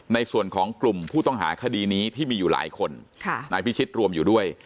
ในส่วนของกลุ่มผู้ต้องหาคดีนี้ที่มีอยู่หลายคนนายพิชิตรวมอยู่ด้วย